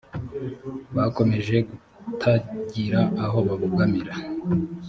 bakomeje kutagira aho babogamira